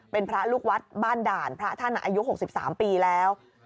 เป็นพระลูกวัดบ้านด่านพระท่านอายุ๖๓ปีแล้ว